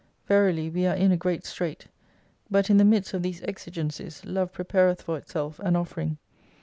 Verily, we are in a great strait : but in the midst of these exigencies Love prepareth for itself an offering.